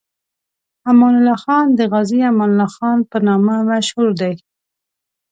امان الله خان د غازي امان الله خان په نامه مشهور دی.